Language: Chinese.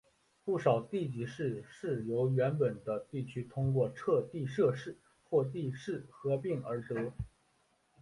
不少地级市是由原本的地区通过撤地设市或地市合并而得。